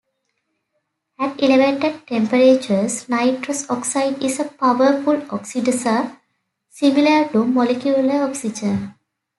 At elevated temperatures, nitrous oxide is a powerful oxidizer similar to molecular oxygen.